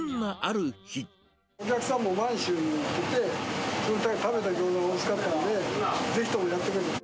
お客さんも満州にいて、そこで食べたギョーザがおいしかったので、ぜひともやってくれと。